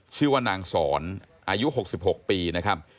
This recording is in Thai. ชื่อว่านางสอนอายุหกสิบหกปีนะครับ